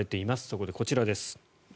そこでこちらです。